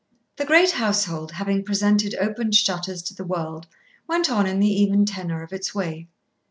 The great household, having presented opened shutters to the world, went on in the even tenor of its way.